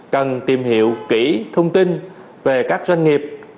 cần tìm hiểu kỹ thông tin về các doanh nghiệp